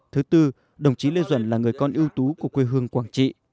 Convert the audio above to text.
thứ tư đồng chí lê duẩn là người con ưu tú của quê hương quảng trị